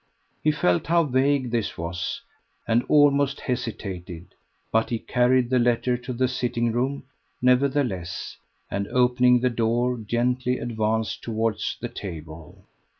He felt how vague this was, and almost hesitated; but he carried the letter to the sitting room, nevertheless, and opening the door gently advanced towards the table.